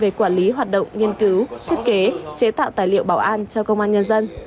về quản lý hoạt động nghiên cứu xuất chế kế chế tạo tài liệu bảo an cho công an nhân dân